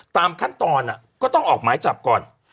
ตามขั้นตอนก็ต้องออกหมายจับก่อน